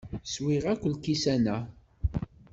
Swiɣ akk lkisan-a.